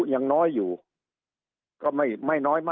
สุดท้ายก็ต้านไม่อยู่